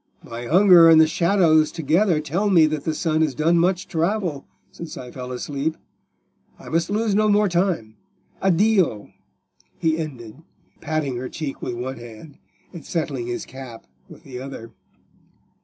My hunger and the shadows together tell me that the sun has done much travel since I fell asleep. I must lose no more time. Addio," he ended, patting her cheek with one hand, and settling his cap with the other.